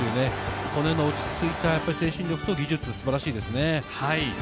このへんの落ち着いた精神力と技術が素晴らしいですね。